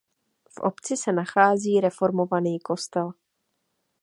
V obci se nachází reformovaný kostel.